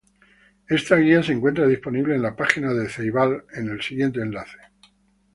Esta guía se encuentra disponible en la página de Ceibal en el siguiente enlace.